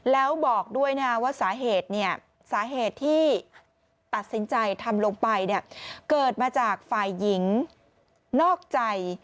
แล้วบอกด้วยนะว่าสาเหตุสาเหตุที่ตัดสินใจทำลงไปเกิดมาจากฝ่ายหญิงนอกใจ